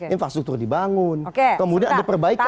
infrastruktur dibangun kemudian ada perbaikan